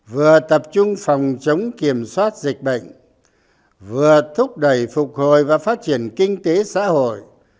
vừa tập trung phòng chống kiểm soát dịch bệnh vừa thúc đẩy phục hồi và phát triển kinh tế xã hội